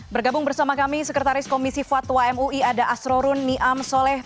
bergabung bersama kami sekretaris komisi fatwa mui ada asrorun niam soleh